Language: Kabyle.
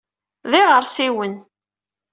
D iɣersiwen.